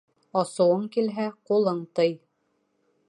Асыуың килһә, ҡулың тый